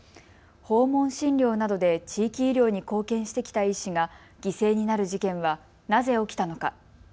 訪問診療などで地域医療に貢献してきた医師が犠牲になる事件はなぜ起きたのか。